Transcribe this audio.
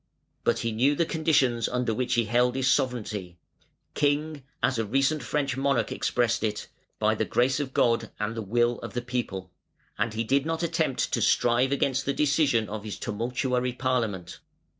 But he knew the conditions under which he held his sovereignty "king", as a recent French monarch expressed it, "by the grace of God and the will of the people", and he did not attempt to strive against the decision of his tumultuary parliament.